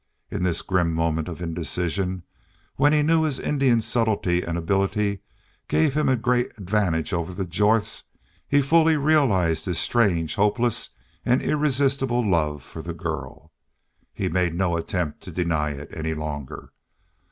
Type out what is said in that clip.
In this grim moment of indecision, when he knew his Indian subtlety and ability gave him a great advantage over the Jorths, he fully realized his strange, hopeless, and irresistible love for the girl. He made no attempt to deny it any longer.